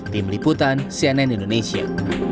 tim liputan cnn indonesia